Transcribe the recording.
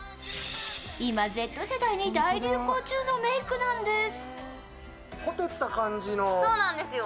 今Ｚ世代に大流行中のメークなんです。